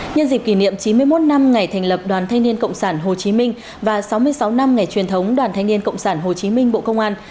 nhân dịp kỷ niệm chín mươi một năm ngày thành lập đoàn thanh niên cộng sản hồ chí minh và sáu mươi sáu năm ngày truyền thống đoàn thanh niên cộng sản hồ chí minh bộ công an